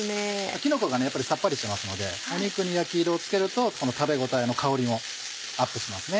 きのこがやっぱりさっぱりしますので肉に焼き色をつけると食べ応えの香りもアップしますね。